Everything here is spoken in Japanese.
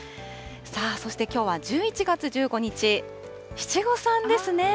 さあ、そしてきょうは１１月１５日、七五三ですね。